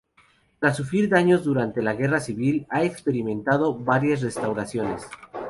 Tras sufrir daños durante la guerra civil, ha experimentado varias restauraciones.